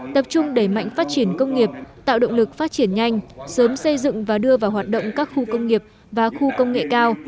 tập trung đẩy mạnh phát triển công nghiệp tạo động lực phát triển nhanh sớm xây dựng và đưa vào hoạt động các khu công nghiệp và khu công nghệ cao